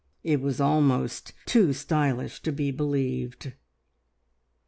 It was almost too stylish to be believed!